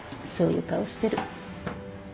そういう顔してる。